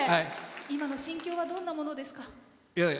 今の心境は、どんなものですか？